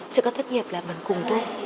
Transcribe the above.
trước các thất nghiệp là bằng cùng tôi